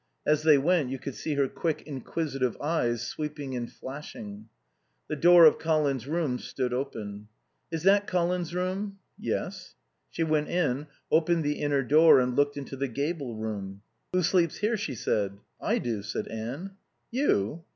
As they went you could see her quick, inquisitive eyes sweeping and flashing. The door of Colin's room stood open. "Is that Colin's room?" "Yes." She went in, opened the inner door and looked into the gable room. "Who sleeps here?" she said. "I do," said Anne. "You?"